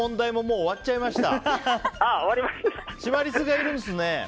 シマリスがいるんですね。